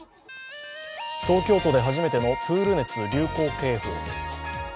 東京都で初めてのプール熱流行警報です。